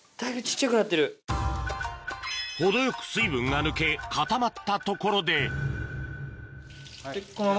程よく水分が抜け固まったところででこのまま？